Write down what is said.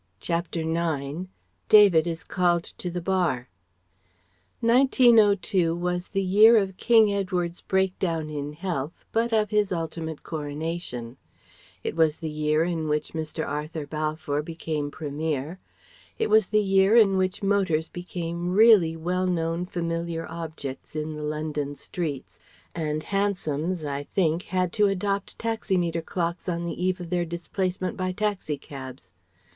CHAPTER IX DAVID IS CALLED TO THE BAR 1902 was the year of King Edward's break down in health but of his ultimate Coronation; it was the year in which Mr. Arthur Balfour became premier; it was the year in which motors became really well known, familiar objects in the London streets, and hansoms (I think) had to adopt taximeter clocks on the eve of their displacement by taxi cabs.